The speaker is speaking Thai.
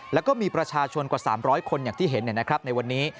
แล้วก็มีประชาชนกว่า๓๐๐คนอย่างที่เห็นในวันนี้